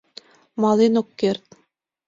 Мален ок керт.